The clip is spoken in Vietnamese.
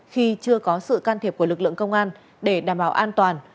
khi chưa có sự can thiệp của lực lượng công an để đảm bảo an toàn